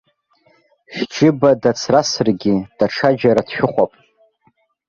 Шәџьыба дацрасыргьы, даҽаџьара дшәыхәап.